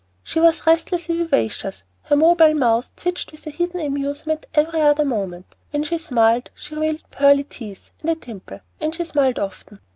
She was restlessly vivacious, her mobile mouth twitched with a hidden amusement every other moment; when she smiled she revealed pearly teeth and a dimple; and she smiled often.